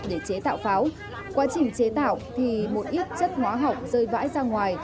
để chế tạo pháo quá trình chế tạo thì một ít chất hóa học rơi vãi ra ngoài